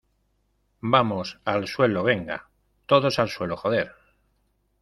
vamos, al suelo. ¡ venga! ¡ todos al suelo , joder !